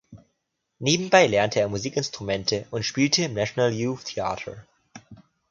Nebenbei lernte er Musikinstrumente und spielte im National Youth Theater.